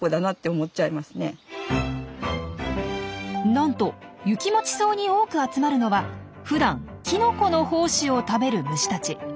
なんとユキモチソウに多く集まるのはふだんきのこの胞子を食べる虫たち。